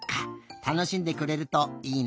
たのしんでくれるといいね。